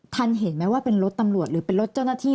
ทันเห็นไหมว่าเป็นรถตำรวจหรือเป็นรถเจ้าหน้าที่